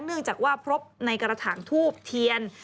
เนื่องจากว่าพบในกระถางทูบเทียน